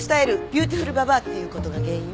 ビューティフルばばあっていうことが原因？